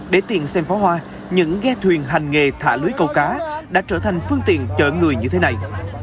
để tiện xem pháo hoa những ghe thuyền hành nghề thả lưới cầu cá đã trở thành phương tiện chở người như thế này